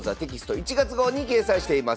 １月号に掲載しています。